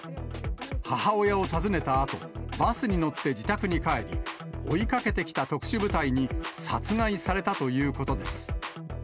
母親を訪ねたあと、バスに乗って自宅に帰り、追いかけてきた特殊部隊に殺害されたということです。